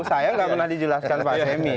saya nggak pernah dijelaskan pak semi